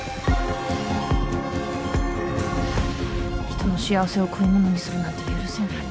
人の幸せを食い物にするなんて許せない。